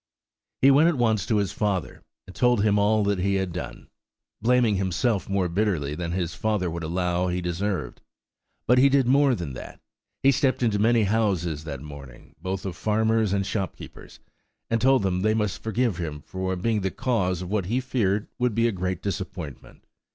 He went at once to his father, and told him all he had done, blaming himself more bitterly than his father would allow he deserved. But he did more than that; he stepped into many houses that morning, both of farmers and shopkeepers, and told them they must forgive him for being the cause of what he feared would be a great disappointment.